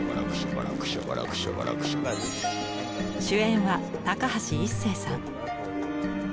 主演は高橋一生さん。